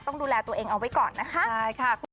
ต้องดูแลตัวเองเอาไว้ก่อนนะคะ